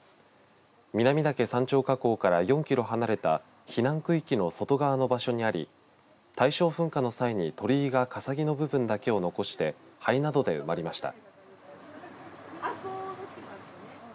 南岳山頂火口から４キロ離れた避難区域の外側の場所にあり大正噴火の際に鳥居がかさ木の部分だけを残して灰などで埋まりました。